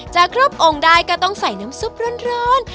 ครบองค์ได้ก็ต้องใส่น้ำซุปร้อน